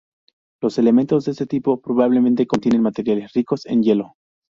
Los elementos de este tipo probablemente contienen materiales ricos en hielo.